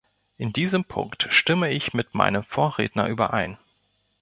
Bei diesem Punkt stimme ich mit meinem Vorredner überein.